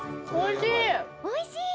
おいしい！